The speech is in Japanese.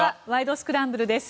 スクランブル」です。